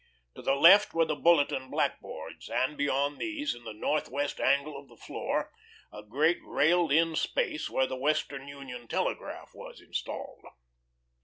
To the left were the bulletin blackboards, and beyond these, in the northwest angle of the floor, a great railed in space where the Western Union Telegraph was installed.